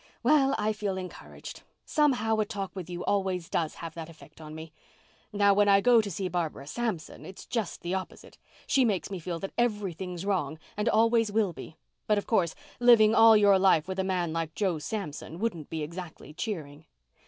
Well, I feel encouraged. Somehow, a talk with you always does have that effect on me. Now, when I go to see Barbara Samson, it's just the opposite. She makes me feel that everything's wrong and always will be. But of course living all your life with a man like Joe Samson wouldn't be exactly cheering."